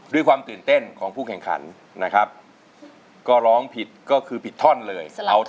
ด้วยความตื่นเต้นของผู้แข่งขันนะครับก็ร้องผิดก็คือผิดท่อนเลย